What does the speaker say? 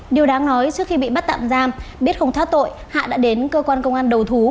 điều đáng nói trước khi bị bắt tạm giam biết không thoát tội hạ đã đến cơ quan công an đầu thú